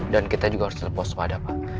dan kita juga harus terpaksa pada pak